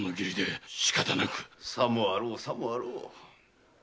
さもあろうさもあろう。